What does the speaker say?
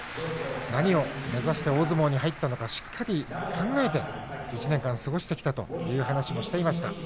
何を目指して大相撲に入ったのかしっかり考えて１年間過ごしてきたという話をしていました。